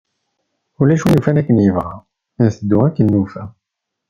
Ulac win yellan akken yebɣa, nteddu akken nufa.